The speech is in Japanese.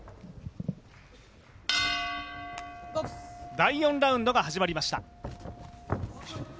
第４ラウンドが始まりました。